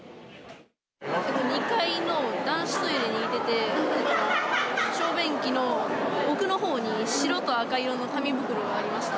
２階の男子トイレにいてて、小便器の奥のほうに、白と赤色の紙袋がありました。